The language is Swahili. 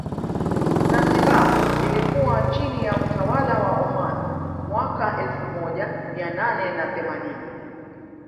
Zanzibar ilikuwa chini ya utawala wa Oman mwaka elfu moja mia nane na themanini